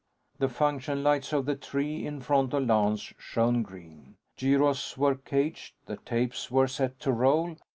The function lights on the "tree" in front of Lance shone green. Gyros were caged; the tapes were set to roll.